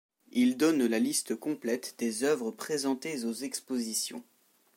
Il donne la liste complète des œuvres présentées aux expositions.